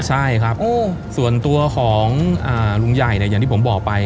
ใช่ครับส่วนตัวของลุงใหญ่เนี่ยอย่างที่ผมบอกไป